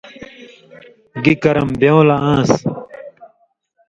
گی کرم بېوں لہ آن٘س۔